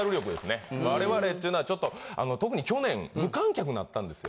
我々っていうのはちょっと特に去年無観客になったんですよ。